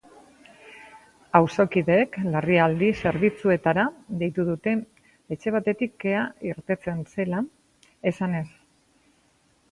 Auzokideek larrialdi zerbitzuetara deitu dute etxe batetik kea irtetzen zela esanez.